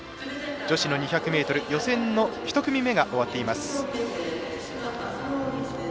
女子の２００ｍ予選の１組目が終わっています。